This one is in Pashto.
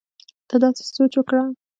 ته داسې سوچ وکړه